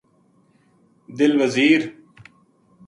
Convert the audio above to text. دل وزیر